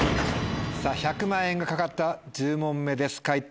１００万円が懸かった１０問目です解答